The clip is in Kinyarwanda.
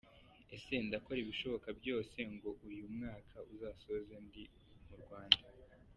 Ati “Ndakora ibishoboka byose ngo uyu mwaka uzasozwe ndi mu Rwanda.